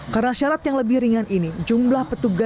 karena syarat yang lebih ringan ini jumlah petugas